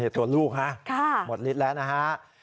ตัวลูกฮะหมดฤทธิ์แล้วนะฮะ